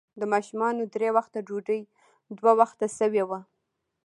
د ماشومانو درې وخته ډوډۍ، دوه وخته شوې وه.